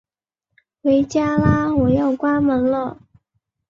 回家啦，我要关门了